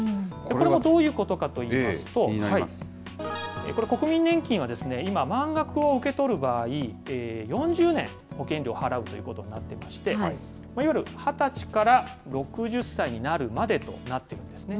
これもどういうことかといいますと、これ、国民年金は今、満額を受け取る場合、４０年、保険料を払うということになってまして、いわゆる２０歳から６０歳になるまでとなっているんですね。